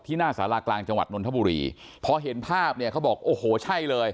หน้าสารากลางจังหวัดนนทบุรีพอเห็นภาพเนี่ยเขาบอกโอ้โหใช่เลย